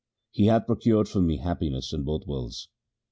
He hath procured for me happiness in both worlds.